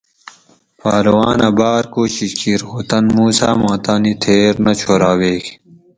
پہلوانہ باۤر کوشش کیر خو تن موسیٰ ما تانی تھیر نہ چھورہ ویگ